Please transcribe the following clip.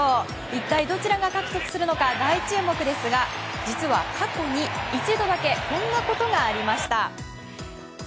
一体どちらが獲得するのか大注目ですが実は、過去に一度だけこんなことがありました。